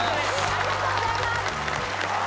ありがとうございます！